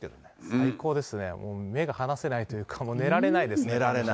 最高ですね、もう目が離せないというか、寝られないですね。